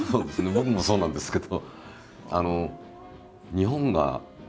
僕もそうなんですけど。